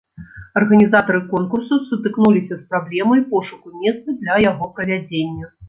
Арганізатары конкурсу сутыкнуліся з праблемай пошуку месца для яго правядзення.